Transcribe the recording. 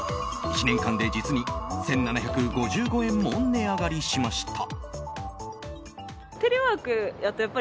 １年間で実に１７５５円も値上がりしました。